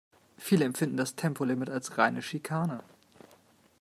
Viele empfinden das Tempolimit als reine Schikane.